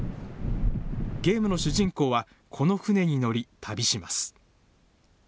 ゲームの主人公は、この船に乗り、旅します。